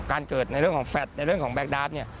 เกิดในเรื่องของแฟลตในเรื่องของแก๊กดาร์ฟเนี่ย